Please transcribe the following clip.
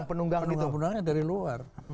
penunggang penunggangnya dari luar